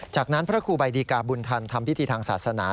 จากนั้นพระครูใบดีกาบุญธรรมทำพิธีทางศาสนา